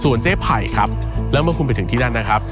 เจ๊ไผ่ครับแล้วเมื่อคุณไปถึงที่นั่นนะครับ